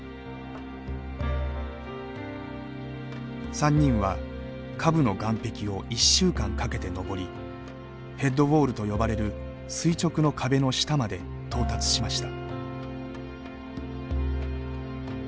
３人は下部の岩壁を１週間かけて登りヘッドウォールと呼ばれる垂直の壁の下まで到達しました。